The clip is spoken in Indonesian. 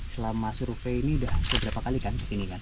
selama survei ini sudah beberapa kali kan disini kan